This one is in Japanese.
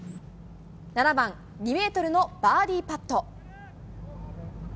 ７番２メートルのバーディーパット。